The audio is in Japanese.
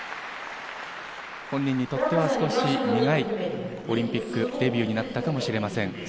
本人にとっては少し苦いオリンピックデビューになったかもしれません。